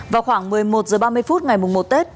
vào khoảng một mươi một h ba mươi phút ngày một tết